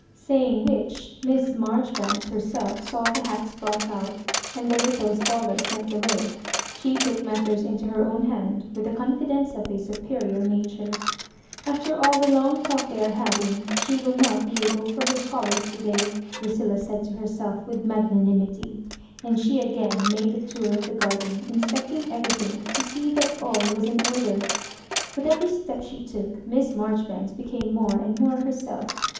Saying which, Miss Marjoribanks herself saw the hats brought out, and the little scholars sent away. She took matters into her own. hand witib the confidence of a superior nature. '^ After all the long talk they are having she will not be able for her scholars to day," Lu cilla said to herself, with magnanimity ; and she again made the tour of the garden, inspecting everything, to see that all was in order. With every step that she took. Miss Marjoribanks be came more and more herself.